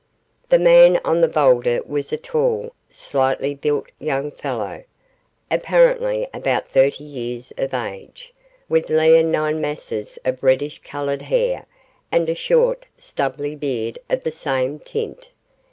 The man on the boulder was a tall, slightly built young fellow, apparently about thirty years of age, with leonine masses of reddish coloured hair, and a short, stubbly beard of the same tint.